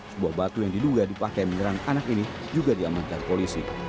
sebuah batu yang diduga dipakai menyerang anak ini juga diamankan polisi